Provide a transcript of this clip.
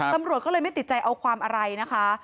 ตำรวจก็เลยไม่ติดใจเอาความอะไรนะคะ